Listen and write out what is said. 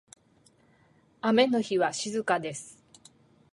雨の日は静かです。